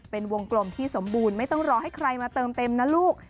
เป็นวงกลมที่สมบูรณ์ไม่ต้องรอให้ใครมาเติมเต็มนะลูก